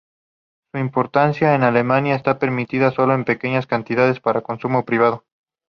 Su importación a Alemania está permitida sólo en pequeñas cantidades, para consumo privado.